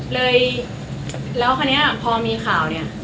เลยแล้วคราวนี้พอมีข่าวเนี่ย